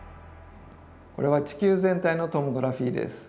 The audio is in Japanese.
これは地球全体のトモグラフィーです。